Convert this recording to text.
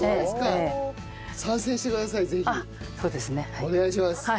お願いします。